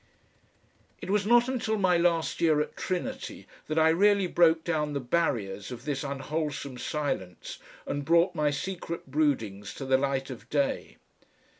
It was not until my last year at Trinity that I really broke down the barriers of this unwholesome silence and brought my secret broodings to the light of day.